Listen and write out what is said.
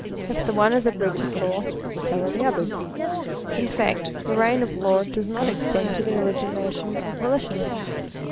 If the one is a breach of law, so are the others. In. fact, the reign of law does not extend to the origina tion of volition.